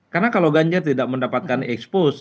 karena kalau ganjar tidak mendapatkan expose